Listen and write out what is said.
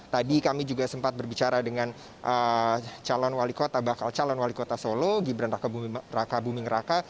tadi kami juga sempat berbicara dengan calon wali kota bakal calon wali kota solo gibran raka buming raka